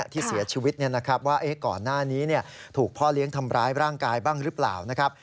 ที่เสียชีวิตว่าก่อนหน้านี้ถูกพ่อเลี้ยงทำร้ายร่างกายบ้างหรือเปล่านะครับ